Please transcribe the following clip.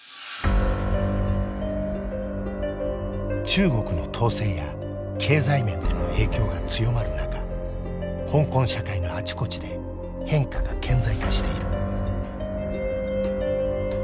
中国の統制や経済面での影響が強まる中香港社会のあちこちで変化が顕在化している。